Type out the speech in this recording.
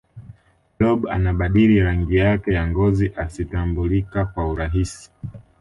blob anabadili rangi yake ya ngozi asitambulika kwa urahisi